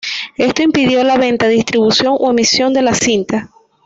Esto impidió la venta, distribución o emisión de la cinta.